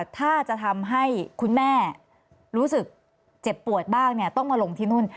ถ้าจะทำให้คุณแม่รู้สึกเจ็บปวดบ้างต้องมาลงที่นู่น